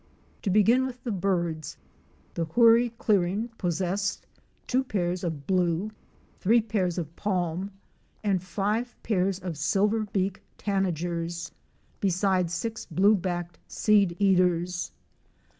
To begin with the birds, the Hoorie clearing possessed two pairs of Blue,' three pairs of Palm," and five pairs of Silverbeak "' Tanagers, besides six Blue backed Seedeaters.'